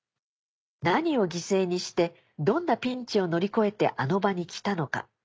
何を犠牲にしてどんなピンチを乗り越えてあの場に来たのか？